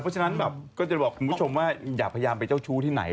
จึงจะบอกคุณผู้ชมอย่าพยายามไปเจ้าชู้ที่ไหน